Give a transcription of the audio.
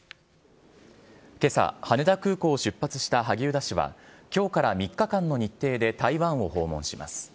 けさ、羽田空港を出発した萩生田氏は、きょうから３日間の日程で台湾を訪問します。